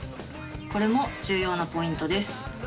これも重要なポイントです。